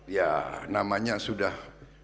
ya namanya sudah